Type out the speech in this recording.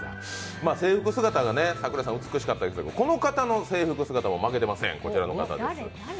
制服姿が桜井さん、美しかったですけど、この方の制服姿も負けてません、こちらの方です。